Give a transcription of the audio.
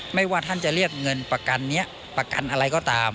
ว่าท่านจะเรียกเงินประกันนี้ประกันอะไรก็ตาม